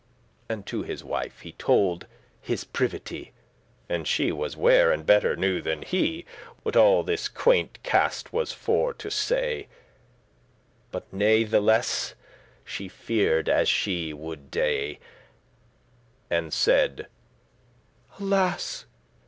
And to his wife he told his privity, And she was ware, and better knew than he What all this *quainte cast was for to say*. *strange contrivance But natheless she fear'd as she would dey, meant* And said: "Alas!